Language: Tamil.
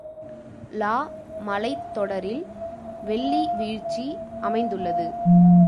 லா மலைத் தொடரில் வெள்ளி வீழ்ச்சி அமைந்துள்ளது.